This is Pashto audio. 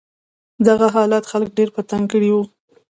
دغه حالت خلک ډېر په تنګ کړي و.